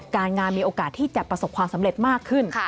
การงานมีโอกาสที่จะประสบความสำเร็จมากขึ้น